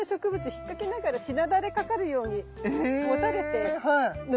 引っ掛けながらしなだれかかるようにもたれて伸びていくの。